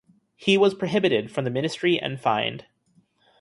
He was prohibited from the ministry and fined.